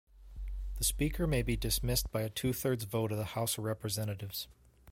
The Speaker may be dismissed by a two-thirds vote of the House of Representatives.